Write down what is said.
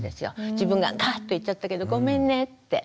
自分がガッて言っちゃったけどごめんねって。